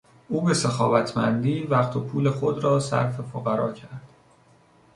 او با سخاوتمندی وقت و پول خود را صرف فقرا کرد.